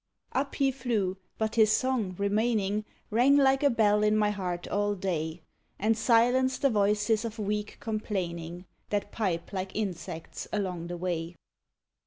Up he flew, but his song, remaining, Rang like a bell in my heart all day, And silenced the voices of weak complaining, That pipe like insects along the way.